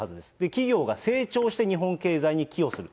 企業が成長して日本経済に寄与する。